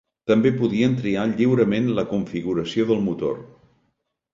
També podien triar lliurement la configuració del motor.